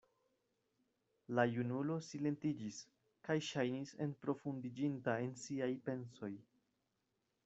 La junulo silentiĝis, kaj ŝajnis enprofundiĝinta en siaj pensoj.